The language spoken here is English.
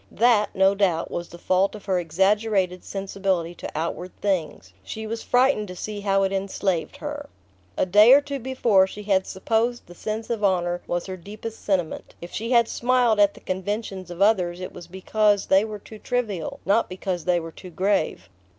That, no doubt, was the fault of her exaggerated sensibility to outward things: she was frightened to see how it enslaved her. A day or two before she had supposed the sense of honour was her deepest sentiment: if she had smiled at the conventions of others it was because they were too trivial, not because they were too grave.